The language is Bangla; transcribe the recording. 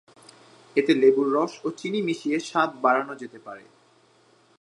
এতে লেবুর রস ও চিনি মিশিয়ে স্বাদ বাড়ানো যেতে পারে।